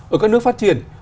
ở các nước phát triển